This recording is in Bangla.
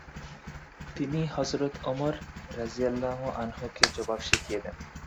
তিনি হযরত ওমর রাযিয়াল্লাহু আনহু-কে জবাব শিখিয়ে দেন।